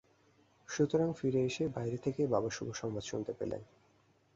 সুতরাং ফিরে এসেই বাইরে থেকেই বাবা শুভসংবাদ শুনতে পেলেন।